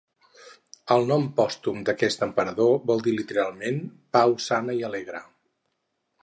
El nom pòstum d'aquest emperador vol dir literalment "pau sana i alegre".